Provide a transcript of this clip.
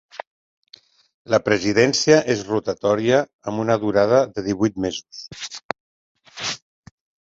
La presidència és rotatòria amb una durada de divuit mesos.